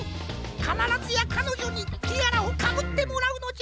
かならずやかのじょにティアラをかぶってもらうのじゃ。